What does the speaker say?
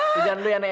tiduran dulu ya nek